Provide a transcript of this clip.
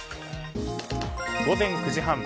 午前９時半。